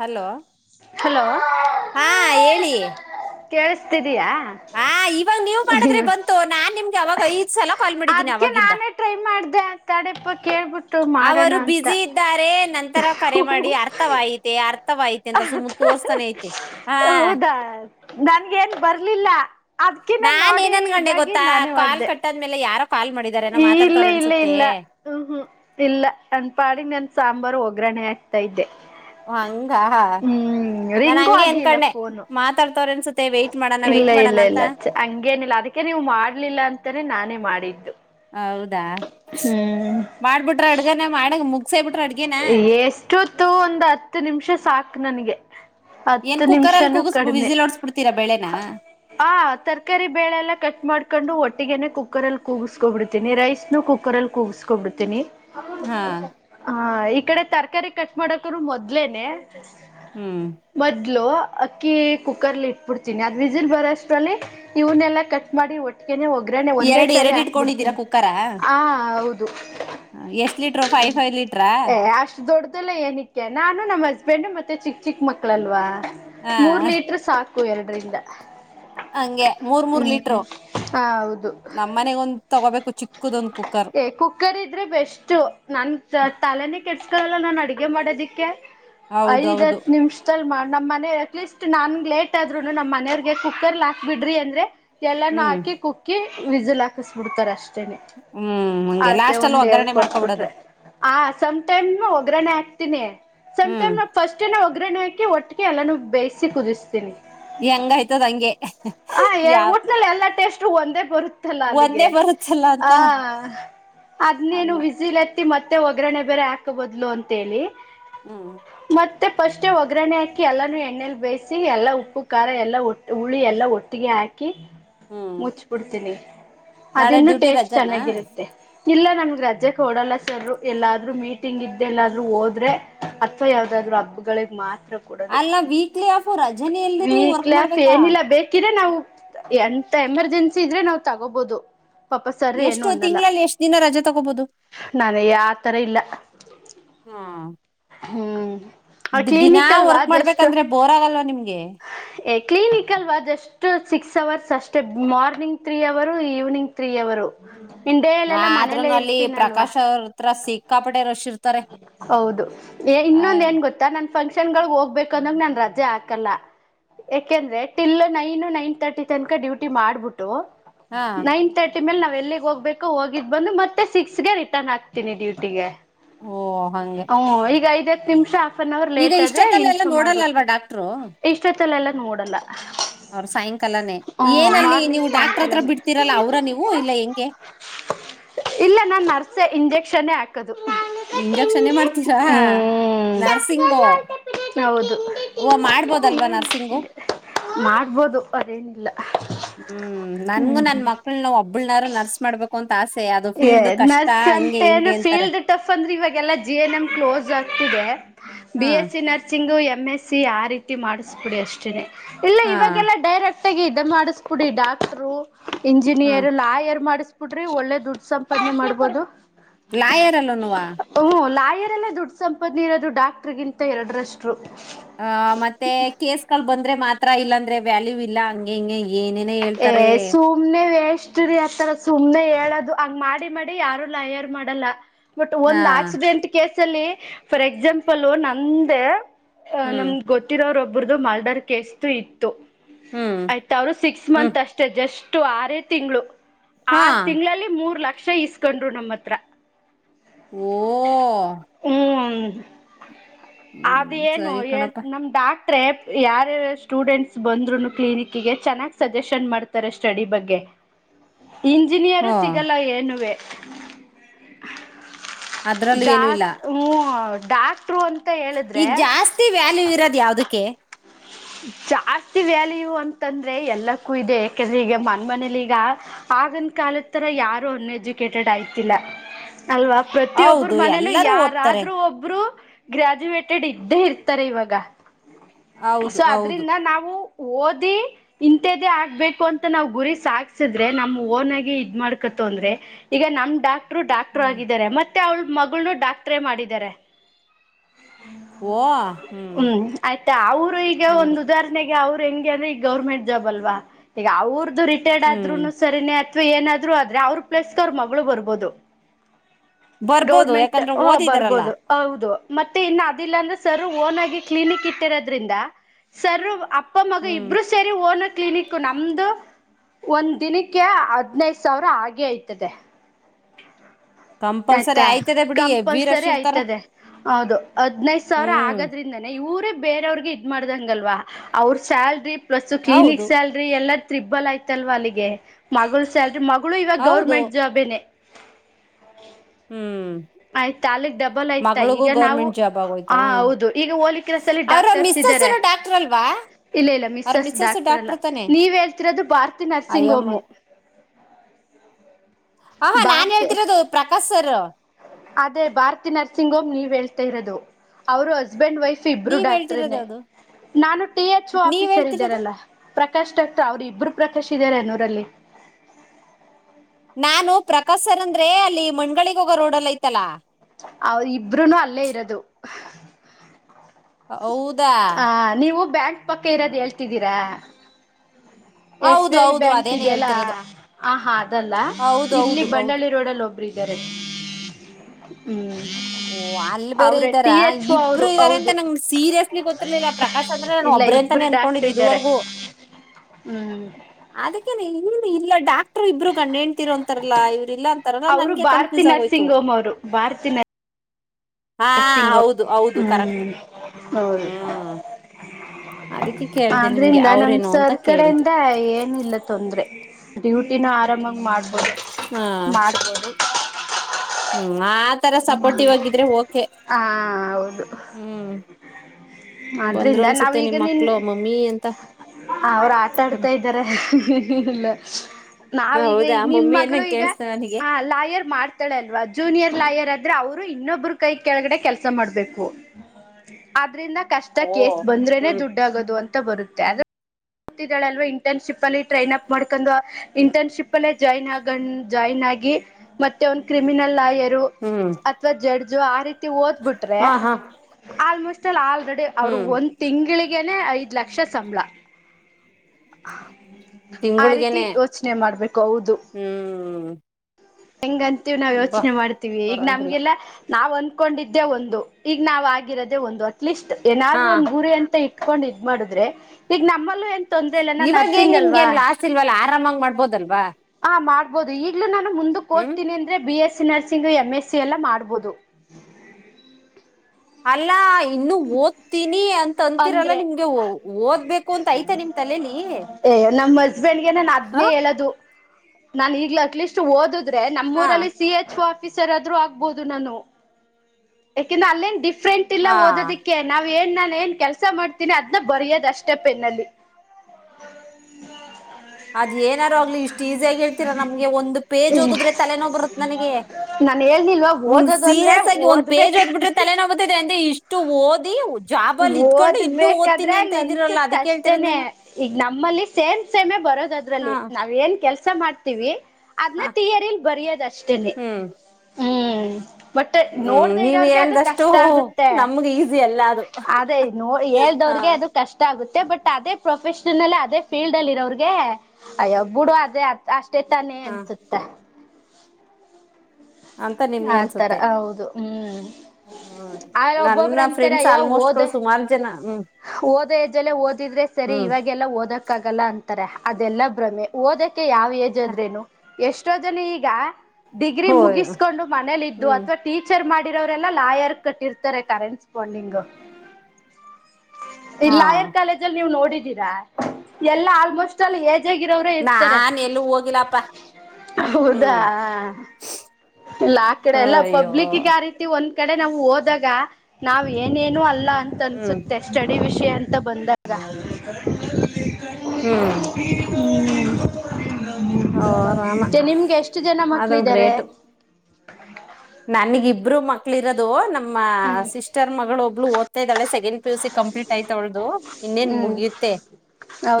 Hello hello ಹಾ ಹೇಳಿ ಕೇೇಳಸ್ತಿದಯಾ ಹಾ ಇವಾಗ ನೀವ್ ಮಾಡಿದ್ರೆ ಬಂತು ನಾನ್ ನಿಮ್ಗೆ ಅವಾಗ ಐದ್ಸಲ ಕಾಲ್ ಮಾಡಿದ್ದೀನಿ ಅದ್ಕ್ಕೆ ಅವಾಗಿಂದ ನಾನೇ ಟ್ರೈ ಮಾಡ್ದೆ ತಡೆಪ್ಪ ಕೇಳ್ಬಟ್ಟ ಅವರು ಬ್ಯುಸಿ ಇದ್ದಾರೆ ನಂತರ ಕರೆ ಮಾಡಿ ಅರ್ಥವಾಯಿತ ಅರ್ಥ ಹಾ [unintelligible] ಹೌದಾ ನನ್ಗೇನ್ ಬರ್ಲಿಲ್ಲ ಅದ್ಕಿನ್ನ ನಾನ್ ನೋಡಿ ಏನ್ ಅನ್ಕೊಂಡೆ ಇದಾಗಿ ಗೊತ್ತಾ ನಾನೇ ಕಾಲ್ ಮಾಡ್ದೆ ಕಟ್ಟಾದ್ಮೇಲೆ ಯಾರೋ ಕಾಲ್ ಮಾಡಿದಾರೆ ನಾ ಈ ಇಲ್ಲ ಮಾತಾಡ್ತವ್ರ ಇಲ್ಲ ಅನ್ಸುತ್ತೆ ಇಲ್ಲ ಹ್ಮ್ ಹ್ಮ್ ಇಲ್ಲ ನನ್ಪಾಡ ನೆನ್ ಸಾಂಬಾರು ಒಗ್ಗರಣೆ ಆಗ್ತಾ ಇದೆ ಹಂಗ ಹಾ ನನ್ ರಿಂಗೂ ಹಂಗೆ ಆಗ್ಲಿಲ್ಲ ಅನ್ಕೊಂಡೆ ಫೋನು ಮಾತಾಡ್ತವ್ರ ಅನ್ಸುತ್ತ ಇಲ್ಲ ಇಲ್ಲ ಇಲ್ಲ ಹಂಗೇನಿಲ್ಲ ಅದಕ್ಕೆ ನೀವು ಮಾಡ್ಲಿಲ್ಲ ಅಂತಾನೇ ನಾನೇ ಮಾಡಿದ್ದು ಹೌದಾ ಹ್ಮ್ ಮಾಡ್ಬಿಟ್ರ ಅಡ್ಗನ ಮಾಡಕ್ ಮುಗಸೇ ಬಿಟ್ರ ಅಡುಗೆ [unintelligible] ಎಷ್ಟೊತ್ತು ಒಂದ್ ಹತ್ತು ನಿಮಿಷ ಸಾಕ್ ನನ್ಗೆ ಏನ್ ಹತ್ತು ಕುಕ್ಕರ್ ಅಲ್ಲಿ ನಿಮಿಷಾನೂ ಕೂಗಿಸ್ ಕಡಿಮೆ ವಿಸಿಲ್ ಹೊಡ್ಸ್ಬಿಡ್ತೀರಾ ಬೆಳೆನಾ ಹ ತರಕಾರಿ ಬೇಳೆ ಎಲ್ಲಾ ಕಟ್ ಮಾಡ್ ಕಕೊಂಡು ಒಟ್ಟಗೇನೆ ಕುಕ್ಕರ್ ಅಲ್ಲಿ ಕೂಗಸಸ್ಕೊ ಬಿಡ್ತೀನಿ ರೈಸ್ನು ಕುಕ್ಕರ್ ಅಲ್ಲಿ ಕೂಗಸ್ಕೊಬಿಡ್ತೀನಿ ಹಾ ಹ ಈ ಕಡೆ ತರಕಾರಿ ಕಟ್ ಮಾಡಕರು ಮೊದ್ಲೇನೆ ಹ್ಮ್ ಲು ಅಕ್ಕಿ ಕುಕ್ಕರ್ಲ್ಲಿ ಇಟ್ಬಿಡ್ತೀನಿ ಅದು ವಿಜರ್ ಬರೋಷ್ಟ್ರಲ್ಲಿ ಇವನ್ನೆಲ್ಲಾ ಕಟ್ ಮಾಡಿ ಒಟ್ಟ [unintelligible] ನೆ ಒಗ್ಗ್ರರಣೆ ಒಂದೇ ಎರಡ್ ಸಾರಿ ಎರಡ್ ಇಟ್ಕೊಂಡಿದ್ದೀರಾ ಹಾಕ್ಬಿಡ್ತೀನಿ ಕುಕ್ಕರಾ ಆ ಹೌದು ಎಷ್ಟ್ ಲೀಟರ್ ಫೈವ್ ಪೈವ್ ಲೀಟರ್ ಏ ಅಷ್ಟು ದೊಡ್ಡ್ದಲ್ಲ ಏನಕ್ಕೆ ನಾನು ನಮ್ಮ್ ಹಸ್ಬೆಂಡ್ ಮತ್ತೆ ಚಿಕ್ಕ ಚಿಕ್ ಮಕ್ಳಲ್ವಾ ಹ ಮೂರ್ ಲೀಟರ್ ಸಾಕು ಎರಡರಿಂದ ಹಂಗೆ ಮೂರ್ ಮೂರ್ ಹ್ಮ್ ಲೀಟ್ರು ಹ ಹೌದು ನಮ್ಮ್ ಮನೆಗ ಒಂದ್ ತಗೋಬೇಕು ಚಿಕ್ಕದೊಂದ್ ಕುಕ್ಕು [unintelligible] ಏ ಕುಕ್ಕರ್ ಇದ್ರೆ ಬೆಸ್ ನನ್ ತಲೆ [unintelligible] [unintelligible] ಮಾಡದಿಕ್ಕೆ ಐದು ಹೌದೌದು ಹತ್ತು ನಿಮಿಷದಲ್ಲಿ ನ [unintelligible] ಅಟ್ಲೀಸ್ಟ್ ನನ್ ಲೇಟ್ ಆದ್ರುನು ನಮ್ಮ ಮನೆಯವಗೆ ಕುಕ್ಕರ್ಲ್ ಹಾಕ್ಬ ಬಿಡ್ರಿ ಅಂದ್ರೆ ಎಲ್ಲಾನ ಹ್ಮ್ ಹಾಕಿ ಕುಕ್ಕಿ ವಿಸಿಲ್ ಹಾಕಿಸ್ಬ ಬಿಡ್ತಾರ ಅಷ್ಟೆ ಹ್ಮ್ ಹಂಗೆ ಅಳ್ತೆ ಲಾಸ್ಟ್ ಅಲ್ಲಿ ಒಂದ್ ಏಳ್ ಒಗ್ಗರಣೆ ಮಾಡ್ಕೊಬಿಡೋದು ಕೊಟ್ಬಟ್ರೆ [unintelligible] ಹ ಸಮ್ ಟೈಮ್ ಒಗ್ಗರಣೆ ಹಾಕ್ತೀನಿ ಹ್ಮ್ ಸಮೈಮ್ ಫಸ್ಟ್ ಒಗರಣೆ ಹಕ್ತ ಒಟ್ಟಿಗೆ ಎಲ್ಲಾನು ಬೇಯಿಸಿ ಕುದಿಸ್ತೀನಿ ಹೆಂಗ ಆಯ್ತದ ಹಂಗೆ ಹಾ ಯಾವ ಊಟ್ನಲ್ಲಿ ಎಲ್ಲಾ ಟೇಸ್ಟ್ ಒಂದೇ ಬರುತ್ತಲ್ಲ ಅಲ್ಲಿಗೆ ಚ್ಚಲ್ಲ ಅಂತ ಆ [unintelligible] ಅದ್ನೇನು ಹಂಗ ಬಿಸಿಲ ಎತ್ತಿ ಮತ್ತೆ ಒಗ್ಗರಣೆ ಬೇರೆ ಹಾಕಬಹದ್ಲು ಅಂತೇಳಿ ಹ್ಮ್ ಮತ್ತ ಫಸ್ಟೇ ಒಗ್ಗರಣೆ ಹಾಕಿ ಎಲ್ಲಾನೂ ಎಣ್ಣೇಲಿ ಬೇಯಿಸಿ ಎಲ್ಲ ಉಪ್ಪು ಖಾರ ಎಲ್ಲ ಒಟ್ಟು ಹುಳಿ ಎಲ್ಲ ಒಟ್ಟಿಗೆ ಹಾಕಿ [unintelligible] ಕಿ ಹ್ಮ್ ಮುಚ್ಬಿಡ್ತೀನಿ ನಾಳೆ ಅದಿನ್ನು ಡ್ಯೂಟಿ ಟೇಸ್ಟ್ ರಜಾನ ಚೆನ್ನಾಗಿರುತ್ತೆ ಇಲ್ಲ ನಮ್ಗ್ ರಜೆೆ ಕೊಡಲ್ಲ ಸರ್ರು ಎಲ್ಲಾದ್ರೂ ಮೀಟಿಂಗ್ ಇದ್ದ ಎಲ್ಲಾದ್ರೂ ಹೋದ್ರೆ ಅಥ್ವಾ ಯಾವ್ದಾದ್ರು ಹಬ್ಬಗಳಿಗೆ ಮಾತ್ರ ಅಲ್ಲ ವೀಕ್ಲಿ ಆಫ್ ರಜಾನೆ [unintelligible] ಎಲ್ರಿ ನೀವು ವೀಕ್ ವರ್ಕ್ ಆಫ್ ಮಾಡ್ಬೇಕಾ ಏನಿಲ್ಲ ಬೇಕಿದ್ರೆ ನಾವು ಎಂತ ಎಮರ್ಜೆನ್ಸಿ ಇದ್ರೆ ನಾವವು ತಗೋಬೋದು ಪಾಪ ಸರ ಏನು ಎಷ್ಟು ಅನ್ನಲ್ಲ ತಿಂಗಳಲ್ಲಿ ಎಷ್ಟ್ ದಿನ ರಜೆ ತಗೋಬಹುದು ನಾನ ಯತರ ಇಲ್ಲ ಹಾ ಹ್ಮ್ ದಿನಾ ವರ್ಕ್ ಮಾಡ್ಬೇಕಂದ್ರೆ ಬೋರ್ ಆಗಲ್ವಾ ನಿಮ್ ಏ ಕ್ಲಿನಿಕ್ ಅಲ್ವಾ ಜಸ್ಟ್ ಸಿಕ್ಸ್ ಅವರ್ಸ್ [unintelligible] ಅಷ್ಟೇ ಮಾರ್ನಿಂಗ್ ತ್ರೀ ಅವರು ಈವ್ನಿಂಗ್ ತ್ರೀ ಅವರು [unintelligible] ನಿಲ್ಲೆಲ್ಲಾ ಮನೇಲ್ಲೇ ಆದ್ರೂನು ಅಲ್ಲಿ ಇರ್ತೀನಲ್ವಾ ಪ್ರಕಾಶ್ ಅವ್ರ ಹತ್ರ ಸಿಕ್ಕಾಪಟ್ಟೆ ರಶ್ ಇರ್ತಾರೆ ಹೌದು ಇನ್ನೊಂದು ಆಯ್ ಏನ್ ಗೊತ್ತಾ ನನ್ ಫಂಕ್ಷನ್ ಗಳಗ್ ಹೋಗ್ಬೇಕು ಅಂದಾಗ ನಾನ್ ರಜೆ ಹಾಕಲ್ಲ ಯಾಕೆಂದ್ರೆ ಟಿಲ್ಲ ನೈನು ನೈನ್ ತರ್ಟಿ ತನಕ ಡ್ಯೂಟಿ ಮಾಡ್ಬಿಟ್ಟು ಹಾ [unintelligible] ನೈನ್ ತರ್ಟಿ ಮತ್ತ ಮೇಲೆ ನಾವ್ ಎಲ್ಲಿಗೆ ಹೋಗ್ಬೇಕು ಹೋಗಿದ್ ಬಂದು ಮತ್ತೆ ಸಿಕ್ಸ್ ಗೆ ರಿಟರ್ನ್ ಆಗ್ತೀನಿ ಡ್ಯೂಟಿಗೆ ಓ ಹಂಗ ಹು ಈಗ ಐದ್ ಹತ್ತು ನಿಮಿಷ ಆ [unintelligible] ಆಫ್ ಅನ್ ಅವರ್ ಈಗ ಲೇಟ್ ಆದ್ರೆ ಇಷ್ಟೊತ್ತಲ್ಲ ಎಲ್ಲ ಇನ್ಫಾರ್ಮ್ ನೋಡಲ್ಲ ಅಲ್ವಾ ಮಾಡ್ಬಿಡ್ತಿ ಡಾಕ್ಟ್ರು ಇಷ್ಟೊತ್ತಲ್ಲ ಎಲ್ಲ ನೋಡಲ್ಲ ಅವ್ರ ಸಾಯಂಕಾಲನೇ ಹ್ಮ ಏನಲ್ಲಿ ಮಾರ್ನಿಂಗ್ ನೀವು ಡಾಕ್ಟರ್ ಹತ್ರ ಸಾಯಂಕಾಲನೆ ಬಿಡ್ತೀರಲ್ಲ ಅವ್ರ ನೀವು ಇಲ್ಲ ಹೆಂಗೆ ಇಲ್ಲ ನಾನ್ ನರ್ಸ ಇಂಜೆಕ್ಷನ್ ಹಾಕದೆ ಇಂಜೆಕ್ಷನ್ ಮಾಡ್ತೀರ ನರ್ಸಿಂಗು ಕೌದು ಲ್ವಾ ನರ್ಸಿಂಗು ಮಾಡ್ಬೋದು ಅವ್ರೇನಿಲ್ಲ ಹ್ಮ್ ನನ್ಗು ನನ್ ಮಕ್ಳನ ಒಬ್ಬಳ್ನಾರು ನರ್ಸ್ ಮಾಡ್ಬೇಕು ಅಂತ ಆಸೆ ಅದು ಏ ಫೀಲ್ಡ್ ಕಷ್ಟ ನರ್ಸ್ ಅಂತ ಹಂಗೆ ಏನು ಹಿಂಗೆ ಅಂತಾರೆ ಫೀಲ್ಡ್ ಇಟ್ಟ ಅಂದ್ರೆ ಇವಾಗೆಲ್ಲ ಜಿ ಎನ್ ಎಂ ಕ್ಲೋಸ್ ಆಗ್ತಿದೆ ಬಿ ಹಾ S C nursing M M S C ಆ ರೀತಿ ಮಾಡಿಸ್ಬಿಡಿ ಅಷ್ಟೇನೆ ಇಲ್ಲ ಹಾ ಇವಾಗೆಲ್ಲ ಡೈರೆಕ್ಟ್ ಟ್ಟ ಇದ ಮಾಡಿಸ್ಬಿಡ್ರಿ ಡಾಕ್ಟ್ರು ಹಾ ಇಂಜಿನಿಯರ್ ಲಾಯರ್ ಮಾಡಿಸಬಿಡ್ರಿ ಒಳ್ಳೆ ದುಡ್ ಸಂಪಾದನೆ ಮಾಡ್ಬೋದು ಲಾಯರ್ ಅಲ್ಲನುವಾ ರಲ್ಲ ದುಡ್ಡು ಸಂಪತ್ತು ನೀ ಇರೋದು ಡಾಕ್ಟ್ರಿಗಿಂತ ಎರಡರಷ್ಟು ಆ ಮತ್ತೆ ಕೇಸ್ಗಳು ಬಂದ್ರೆ ಮಾತ್ರ ಇಲ್ಲಾಂದ್ರೆ ವ್ಯಾಲ್ಯೂ ಇಲ್ಲ ಹಂಗಗೆ ಹಿಂಗೆ ಇಲ್ಲ ಸೋಮನೆ ವೇಸ್ ಷ್ಟೀ ಆತರ ಸುಮ್ನೆ ಹೇಳೋದು ಹಂಗ್ ಮಾಡಿ ಮಾಡಿ ಯಾರು ಲಯರ್ ಮಾಡಲ್ಲ ಬಟ್ ಹಾ ಒಂದ್ ಆಕ್ಸಿಡೆಂಟ್ ಕೇಸ ಅಲ್ಲಿ ಫಾರ್ ಎಕ್ಸಾಂಪಲ್ ನಂದ ಅ ಹ್ಮ್ ನಮ್ಗೆ ಗೊತ್ತಿರೋರ ಒಬ್ರದು ಮಾಲ್ಡಾರ್ ಕೇಸ್್ದು ಇತ್ತು ಹ್ಮ್ ಆಯ್ತ ಅವರು ಸಿಕ್ಸ್ ಹ್ಮ್ ಮಂತ್ ಅಷ್ಟೆ ಜಸ್ಟ್ ಆರೇ ತಿಂಗಳು ಹಾ ಆರು ತಿಂಗಳಲ್ಲಿ ಮೂ ಲಕ್ಷ ಕಕ್ಷ ಇಸ್ಕೊಂಡ್ರು ನಮ್ಮ ಹತ್ರ ಓ ಹ ಹ್ಮ್ ಅದೇಏನು ಸರಿ ಎ ಕಣಪ್ಪ ನಮ ಾಟ್ ೆ ಯಾರಾರ ಸ್ಟೂಡೆಂಟ್ಸ್ ಬಂದ್ರುನು ಕ್ಲಿನಿಕ್ ಗೆ ಚೆನ್ನಾಗ್ ಸಜೆಷನ್ ಮಾಡ್ತಾರೆ ಸ್ಟಡಿ ಬಗ್ಗೆ ಇಂಜಿನಿಯರು ಹ್ಞೂ ಸಿಗಲ್ಲ ಏನುವೆ ಅದ್ರಲ್ಲೂ ಏನು ಇಲ್ಲ ಡಾಕ್ ಹ್ಮ ಡಾಕ್ಟರು ಅಂತ ಹೇಳಿದ್ರೆ ಈಗ ಜಾಸ್ತಿ ವ್ಯಾಲ್ಯೂ ಇರೋದ್ ಯಾವ್ದಕ್ಕೆ ಜಾಸ್ತಿ ವ್ಯಾಲ್ಯೂ ಅಂತಂದ್ರೆ ಎಲ್ಲಕ್ಕೂ ಇದೆ ಯಾಕೆಂದ್ರೆ ಈಗ ಮನ್ ಮನೇಲಿಗ ಆಗನ್ ಕಾಲದ ತರ ಯಾರು ಅನ್ಎಜುಕೇಟೆಡ್ ಆಯ್ತಿಲ್ಲ ಅಲ್ವಾ ಪ್ರತಿಯೊಬ್ಬರು ಹೌದು ಮನೇಲಿ ಎಲ್ಲರೂ ಓದ್ತಾರೆ ಯಾರಾದ್ರರು ಒಬ್ರು ಗ್ರಾಜುಯೇಟೆಡ್ ಇದ್ದೇ ಇರ್ತಾರೆ ಇವಾಗ ಹೌದು ಸೊ ಹೌದು ಅದ್ರಿಂದ ನಾವು ಓದಿ ಇಂತದೇ ಆಗ್ಬೇಕು ಅಂತ ನಾವ್ ಗುರಿ ಸಾಕ್ಸಿದ್ರೆ ನಮ್ ಓನಾಗ ಇದ್ ಮಾಡ್ಕ ಅಂದ್ರೆ ಈಗ ನಮ್ ಡಾಕ್ ಡಾಕ್ಟರ್ ಹ್ಮ್ ಆಗಿದ್ದಾರೆ ಮತ್ತೆ ಅವಳ ಮನು ಡಾಕ್ಟ್ರೇ ಮಾಡಿದ್ದಾರೆ ಓ ಹ್ಮ್ ಆಯ್ತಾ ಅವರು ಈಗ ಒಂದು ಹಂಗೆ ಉದಾಹರಣೆಗೆ ಅವರು ಹೆಂಗೆ ಅಂದ್ರೆ ಈಗ ಗವರ್ಮೆಂಟ್ ಜಾಬ್ ಅಲ್ವಾ ಈಗ ಅವ್ರದದುು ರಿಟೈರ್ಡ್ ಹ್ಮ್ ಆದ್ೂನು ಸರಿನೇ ಅ ಏನಾದ್ರು ಆದ್ರೆ ಅವ್ರರು ಪ್ಲಸ್ ಅವ್ರ ಮಗಳು ಬರ್ಬೋದು ಬರ್ಬೋದು ಗೌರ್ಮೆಂಟ್ ಯಾಕಂದ್ರೆ ಹಾ ಓದಿದಾರಲ್ಲ ಬರ್ಬೋದು ಹೌದು ಮತ್ತೆ ಇನ್ನು ಅದಿಲ್ಲಾಂದ್ರೆ ಸರ್ ಓನ್ ಆಗಿ ಕ್ಲಿನಿಕ್ ಇಟ್ಟಿರೋದ್ರಿಂದ ಸರ್ ಅಪ್ಪ ಮಗ ಹ್ಮ್ ಇಬ್ರು ಸೇರಿ ಓನ ಕ್ಲಿನಿಕ್ ನಮ್ದು ಒಂದ್ ದಿನಕ್ಕೆ ಹದ್ನೈದು ಸಾವಿರ ಆಗೆ ಐ್ತದೆ ಕಂಪಲ್ಸರಿ ಆಯ್ತಾ ಆಯ್ತದೆ ಬಿಡಿ ಎವ್ವಿ ರಶ್ ಕಂಪಲ್ಸರಿ ಇರ್ತಾರೆ ಆಯ್ತದೆ ಹೌದು ಹದ್ಿನೈದು ಸಾವಿರ ಹ್ಮ್ ಆಗೋದ್ರಿಂದನೇ ಇವರೇ ಬೇರವ್ರಿಗೆ ಇದ ಮಾಡ್ದಂಗಲ್ವಾ ಅವ್ರ ಸ್ಯಾಲ್ರಿ ಪ್ಲಸ್ ಕ್ಲಿನಿಕ್ ಹೌದು ಸ್ಯಾಲ್ರಿ ಎಲ್ಲ ತ್ರಿಬ್ಬಲ್ ಆಯ್ತಲ್ವ ಅಲ್ಲಿಗೆ ಮಗಳು ಸ್ಯಾಲ್ರಿ ಮಗಳು ಇವಾಗ ಹೌದು ಗೌರ್ಮೆಂಟ್ ಜಾಬೇನೆ ಹ್ಮ್ ಆಯ್ತಾ ಅಲ್ಲಿಗ್ ಡಬಲ್ ಆಯ್ತಾ ಮಗಳಿಗೂ ಈಗ ನಾವು ಗೌರ್ಮೆಂಟ್ ಜಾಬ್ ಆ ಆಗೋಯ್ತು ಹೌದು ಈಗ ಹೋಕ್ಕೆ ಚಿಕ್ರಸ್ ಅಲ್ಲಿ ಅವ್ರ ಡಾಕ್ಟರ್ಸ್ ಇದ್ದಾರೆ ಮಿಸ್ಸಸ್ನು ಡಾಕ್ಟರ್ ಅಲ್ವಾ ಇಲ್ಲ ಇಲ್ಲ ಅವ್ರ ಮಿಸ್ಸ್ ಮಿಸ್ಸಸ್ ಡಾಕ್ಟರ್ ಅಲ್ಲಾ ತಾನೆ ನೀವ್ ಹೇಳ್ತಿರೋದು ಭಾರತಿ ನರ್ಸಿಂಗ್ ಅಯ್ಯೋ ಹೋಮು ಮತ್ [inaudible] ಅವಾಗ, ನಾನ್ ಭಾರತ್ ಹೇಳ್ತಿರೋದು ಪ್ರಕಾಶ್ ಸರ್ ಅದೇ ಭಾರತಿ ನರ್ಸಿಂಗ್ ಹೋಮ್ ನೀವ್ ಹೇಳ್ತಾ ಇರೋದು. ಅವರು ಹಸ್ಬೆಂಡ್ -ವೈಫ್ ಇಬ್ರು ನೀವ್ ಹೇಳ್ತಿರೋದು ಡಾಕ್ಟ್ರೇನೇ. ಯಾವ್ದು ನಾನು ಟಿ, ಎಚ್, ಒ ನೀವ್ ಆಫೀಸರ್ ಹೇಳ್ತಿರೋದು ಇದ್ದಾರಲ್ಲಾ ಪ್ರಕಾಶ್ ಡಾಕ್ಟರ್ ಅವ್ರ ಇಬ್ಬರು ಪ್ರಕಶಿದಿದ್ದಾರೆನೂರಲ್ಲಿ. ನಾನು ಪ್ರಕಾಶ ಸರ್ ಅಂದ್ರೆ ಅಲ್ಲಿ ಮಂಡ್ಗಳಿಗೋಗ ರೋಡಲ್ಲಿ ಐತಲ್ಲಾ. ಅವ್ರು ಇಬ್ರುನೂಅಲ್ಲೇ ಇರದು. ಹೌದಾ ಹಾ, ನೀವು ಬ್ಯಾಂಕ್ ಪಕ್ಕ ಇರೋದ ಹ್ಮ್. ಹೇಳ್ತಿದ್ದೀರಾ. ಎಸ್, ಬಿ, ಹೌದು ಐ ಹೌದು ಬ್ಯಾಂಕ್ ಅದೇನೆ ಇದೆಯಲ್ಲಾ ಹೇಳ್ತಿರೋದು ಹ ಹಾ, ಅದಲ್ಲ ಹೌದು ಇಲ್ಲಿ ಹೌದು ಹೌದು ಬಂಡಳಿ ರೋಡಲ್ಲಿ ಒಬ್ರ ರೆ [inaudible] ಓಹೋ! ಅಲ್ ಬೇರೆ ಇದ್ದಾರ ಟಿ ಎಚ್ ಓ ಇಬ್ರು ಅವರು ಇದ್ದಾರೆ ಅಂತ ಹೌದು ನಂಗ ಸೀರಿಯಸ್ಲಿ ಗೊತ್ತಿರ್ಲಿಲ್ಲ. ಪ್ರಕಾಶ್ ಅಂದ್ರೆ ಇಲ್ಲ ಒಬ್ಬ್ರೆಂತಾನೆ ಇಬ್ರು ಅನ್ಕೊಂಡಿದು ಡಾಕ್ಟರ್ ಇದ್ದಾರೆ ಇದುವರೆಗೂ [inaudible] ಅದಕ್ಕೇನೆ ನು ಇಲ್ಲ ಡಾಕ್ಟರ್ ಇಬ್ರು ಗಂಡ ಹೆಂಡ್ತಿರ ಅಂತಾರಲ್ಲಾ ಇವ್ರ ಇಲ್ಲ ಅ ಅಂತರಲ್ಲ ಅವರು ನನ್ಗೆ ಭಾರತಿ ಕನ್ಫ್ಯೂಸ್ ಆಗೋಯ್ತು. ನರ್ಸಿಂಗ್ - ನ ಸಿಂಗ ಹೌದು ಕರೆಕ್ಟ್ ಹ್ಮ್ ಅವೌದು ಹ್ಮ್ ಅದಕ್ಕೆ [unintelligible] ಕೇಳ್ದೆ ನಿಮ್ಗೆ ಆದ್ರಿಂದ ನಮ್ ಅವ್ರೇನು ಅಂತ ಸರ್ ಕೇಳಿದ್ದು ಕಡೆಯಿಂದ ಏನಿಲ್ಲ ತೊಂದ್ರೆ. - ಡ್ಯೂಟಿನ ಆರಾಮಾಗ ಮಾಡ್ಬೋದು- ಹಾ ಮಾಡ್ಬೋದು. ಹ್ಮ್, ಆತರ ಸಪೋರ್ಟಿವ್ ಆಗಿದ್ರೆ ಓಕೆ. ಹ ಹೌದು ಹ್ಮ್- ಬಂದ್ರು ಅನ್ಸತ್ತೆ ನಿಮ್ ಮಕ್ಳು ಮಮ್ಮಿ ಅಂತ. ಅವರು ಆಟ ಆಡ್ತಾ ಹ್ಮ್ ಇದ್ದಾರೆ. ಇಲ್ಲ ನಾವೀಗ ಹೌದಾ ಈಗ ನಿನ್ ಮಮ್ಮಿ ಮಗಳು ಅನ್ನಂಗ್ ಈಗ ಕೇಳಿಸ್ತ ನನಗೆ ಆ ಲಾಯರ್ ಮಾಡ್ತಾಳೆ ಅಲ್ವಾ ಜೂನಿಯರ್ ಲಾಯರ್ ಅ ಅವರು ಇನ್ನೊಬ್ಬರು ಕೈ ಕೆಳಗಡೆ ಕೆಲಸ ಮಾಡ್ಬೇಕು. ಆದ್ರಿಂದ ಕಷ್ಟ ಓ ಕೇಸ್ ಬಂದ್ರೆನೆ ಹ್ಮ್ ದುಡ್ಡ ಆಗೋದು ಅಂತ ಬರುತ್ತೆ ‌ಅ್ರ ತಳಲ್ವ ಇಂಟರ್ನ್ಶಿಪ್ ಅಲ್ಲಿ ಟ್ರೈನ್ ಅಪ್ ಮಾಡ್ಕೊಂಡು. ಇಂಟರ್ನ್ಶಿಪ್ ಅಲ್ಲೇ ಜಾಯ್ನ್, ಆಗ ಜಾಯ್ನ್ ಆ ಜಾಯ್ನಾಗಿಮತ್ತೆ ಕ್ರಿಮಿನಲ್ ಲಾಯರ್ ಹ್ಮ್ ಅಥವಾ ಜಡ್ಜು ಆ ರೀತಿ ಓದ್ ಬಿಟ್ರೆ ಹಾ ಹಾ ಆಲ್ಮೋಸ್ಟ್ ಡಿ ಅವರು ಹ್ಮ್ ಒಂದ್ ತಿಂಗಳಿಗೆನೆ ಐದ್ ಲಕ್ಷ ಸಂಬಳ. ಆ ರೀತಿ ತಿಂಗಳಿಗೇನೆ ಯೋಚನೆ ಮಾಡ್ಬೇಕು. ಹೌದು ಹ್ಮ [inaudible] ಹೆಂಗಂತ ನಾವ್ ಯೋಚನೆ ಮಾಡ್ತೀವಿ. ಈಗ ಪರವಾಗಿಲ್ಲ ನಮ್ಗೆಲ್ಲ ನಾವ್ ಅಂದಕೊಂಡಿದ್ದೇ ಒಂದು ಈಗ ನಾವ್ ಆಗಿರೋದೇ ಒಂದು. ಅಟ್ಲೀಸ್ಟ್ ಹಾ ಏನಾದ್ರು ಒಂದ ಗುರಿ ಅಂತ ಇ ಇಟಕೊಂಡ್ ಇದ್ ಮಾಡುದ್ರೆ ಈಗ ನಮ್ಮಲ್ಲೂ ಎ ತೊಂದ್ರೆಇಲ್ಲ ನ ಇವಾಗೇನ್ ನರ್ಸಿಂಗ ಅಲ್ವಾ ನಿಮ್ಗೇನ್ ಲಾಸ್ ಇಲ್ವಲ್ಲ ಆರಾಮಾಗ್ ಮಾಡ್ಬೋದಲ್ವಾ ಮಾಡ ಬಹುದು ಈಗ್ಲೂ ನಾನು ಮುಂದ ಹ್ಮ್ ಓದ್ತೀನಿ ಅಂದ್ರೆ B, S nursing M, SC ಎಲ್ಲ ಮಾಡ್ಬೋದು. ಅಲ್ಲ [inaudible] [unintelligible] ಇನ್ನು ಓದ್ತೀನಿ ಅಂತ ಅಂತಿರಲ್ಲ ಅಂದ್ರೆ ನಿಮ್ಗೆ ಓದ್ಬೇಕು ಅಂತ ಆಯ್ತಾ ನಿಮ್ ತಲೇಲಿ. ನಮ್ ಹಸ್ಬೆಂಡ್ಗೆ ನನು ಅದ್ನೇ ಹೇಳೋದು. ನಾ ಈಗ್ಲ ಅಟ್ಲೀಸ್ಟ್ ಓದ್ರೆ ಹಾ ನಮ್ಊರಲ್ಲಿ ಸಿ, ಎಚ್, ವ ಆಫೀಸರ್ ಆದ್ರೂ ಆಗ್ಬಹುದು. ನಾನು ಯಾಕೆಂದ್ರೆ ಅಲ್ಲೇನ್ ಡಿಫ್ರೆಂಟ್ ಇಲ್ಲ ಹಾ ಓದ ನಾವ್ ಏನ್ ನಾನ ಏನ್ ಕೆಲ್ಸ ಮಾಡ್ತೀನಿ ಅದ್ನ್ನ ಬರಯೋದ ಅಷ್ಟೆ ಪೆನ್ನಲ್ಲಿ. - ಸಾ [unintelligible] ಅದ್ ಏನಾರು ಆಗ್ಲಿ ಇಷ್ಟ್ ಈಸಿಯಾಗಿ ಹೇಳ್ತತಿರಾ, ನಮ್ಗೆ ಒಂದು ಪೇಜ್ ಓದಿದ್ರೆ ತಲೆನೋ ಬರುತ್ ನನಗೆ. ನನ್ನ [inaudible] ಒಂದ್ ಸೀರಿಯಸ್ ಆಗಿ ಒಂದ್ ಪೇಜ್ ಓದ್ಬಿಟ್ರೆ ಓದ್ಬೇಕಾದ್ರೆ ತಲೆನೋಬತೈತ್ರಿ. ಅಂದ್ರ ಇಷ್ಟ ಓದಿ ಜಾಬ್ ಅಲ್ಲಿ ಇದ್ಕೊಂಡು ಇನ್ನೂ ಓದಬೇಕಾದ್ರೆ ಓದ್ತೀನಿ ಅಂತ ಹಂಗ್ ಇದಿರಲ್ಲ ಅನ್ಸತ್ ಅದಕ್ಕೆ ಹೇಳ್ತಿರೋದ್ ಅಷ್ಟೇನೆ ನಾನು ಈಗ ನಮ್ಮಲ್ಲಿ ಸೇಮ್, ಸೇಮೆ ಬರೋದದ್ರಲ್ಲಿ ಹಾ ನಾವ್ ಏನ್ ಕೆಲ್ಸ ಮಾಡ್ತೀವಿ ಹಾ ಅದ್ನ್ನಾತಿಯರಿಯಲ್ ಬರಯೋದ ಅಷ್ಟೇನೆ. ಹ್ಮ್ ಹ್ಮ್ ಬಟ್ ಹ್ಮ್ ನೋಡ್ದ ನೀವ್ ಇರೋರ್ಗೆ ಅದು ಹೇಳ್ದಷ್ಟು ಕಷ್ಟ ಆಗುತ್ತೆ ನಮ್ಗೆ ಈಸಿ ಅಲ್ಲ ಅದು ಅದೇ ನೋ ಹಾ ಹೇಳ್ದವ್ರಗೆ ಅದು ಕಷ್ಟ ಆಗುತ್ತೆ ಬಟ್ ಅದೇ ಪ್ರೊಫೆಷನ್ ಅಲ್ಲಿ ಅದೇ ಫೀಲ್ಡ್ ಅಲ್ಲಿ ಇರೋಗೆ ಅಯ್ಯೋಬ್ ಬಿಡು ಅದೇ ಅಷ್ಟ ಷ್ಟೆ ತಾನೆ ಹಾ ಅನ್ಸುತ್ತಾ ಅಂತ ನಿಮ್ಗ ಆತರ ಅನ್ಸುತ್ತೆ ಹೌದು ಹ್ಮ್ ಹ ಆದ್ರ ನನ್ನ ಒಬ್ಬೊಬ್ರ ಅಂತಾರ ಫ್ರೆಂಡ್ಸ್ ಅಯ್ಯೋ ಆಲ್ಮೋಸ್ಟ್ ಓದೆ ಸುಮಾರು ಜನ ಹ್ಮ್ ಓದೋ ಹೆಲ್ಲ ಓದಿದ್ರೆ ಸರಿ ಹ್ಮ್ ಇವಾಗೆಲ್ಲ ಓದಕ್ಕಾಗಲ್ಲ ಅಂತ ತಾರೆ ಅದೆಲ್ಲ ಭ್ರಮೆ ಓದಕ್ಕೆ ಯಾವ್ ಏಜ್ ಆದ್ರೇನು ಎಷ್ಟೋದಲ್ಲಿ ಈಗ ಡಿಗ್ರಿ ಹೋಯ್ ಮುಗಿಸ್ಕೊಂಡು ಮನೇಲಿ ಇದ್ದು ಹ್ಮ್ ಅಥವಾ ಟೀಚರ್ ಮಾಡಿ ಮಾಡಿರೋರೆಲ್ಲ ಲಾಯರ್ ಕಟ್ಟಿರ್ತಾರೆ ಕರೆನ್ಸ್ ಬಂಡಿಂಗ್ ಈ ಹಾ ಲಾಯರ್ ಕಾಲೇಜ್ ಅಲ್ಲಿ ನೀವು ನೋಡಿದೀರಾ ಎಲ್ಲ ಆಲ್ಮೋಸ್ಟ್ ಅಲ್ಲಿ ರ ಅವರೇ ಇರ್ತಾರೆ ನಾನ್ ಎಲ್ಲೂ ಹೋಗಿಲ್ಲಪ್ಪಾ ಹೌದಾ ಹ್ಮ್ ಇಲ್ಲ ಆ ಕಡೆ ಎಲ್ಲ ಅಯ್ಯೋ ಪಬ್ಲಿಕ್ಗ ಆ ರೀತಿ ಒಂದ್ ಕಡೆ ನಾವು ಹೋದಾಗ ನಾವ್ ಏನೇನು ಅಲ್ಲ ಅಲ್ಲ ಅಂತ ಹ್ಮ್ ಅನ್ಸುತ್ತೆ ಸ್ಟಡಿ ವಿಷಯ ಅಂತ ಬಂದಾಗ ಹ್ಮ್ ಹ್ಮ್ ಓ ರಾಮ ನಿಮ್ಗೆ ಎಷ್ಟು ಜನ ಆದಳು ಮಕ್ಳಾರೆ ಗ್ರೇಟ್ ನನಗ ಇಬ್ರು ಮಕ್ಳ ಇರೋದು ನಮ್ಮ ಹ್ಮ್ ಸಿಸ್ಟರ್ ಮಗಳು ಒಬ್ಳ ಮ್ದಾಳೆ second P U C complete ಆಯ್ತ ಒಳ್ದು ಇನ್ನೇನ್ ಹ್ಮ್ ಮುಗಿಯುತ್ತೆ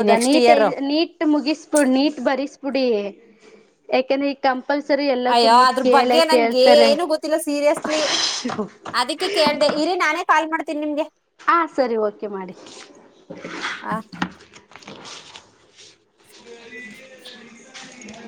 ಈ ನೆಕ್ಸ್ಟ್ ನೀಟ್ ಇಯರ್ ನೀಟ್ ಮುಗಿಸಬಿಡ್ ನೀಟ್ ಬಸ್ಬ ಡಿ ಎಕನ ಕ ಅಯ್ಯೋ ಅದ್ರ ಬಗ್ಗೆ ನನ್ಗೆ ಏನು ಗೊತ್ತಿಲ್ಲ ಸೀರಿಯಸ್ಲಿ ಅದಕ್ಕೆ ಕೇಳ್ದ ಇಲ್ಲಿನಾನೇ ಕಾಲ್ ಮಾಡ್ ಹಾ ಸರಿ ಓಕೆ ಮಾಡಿ ಆ ಹ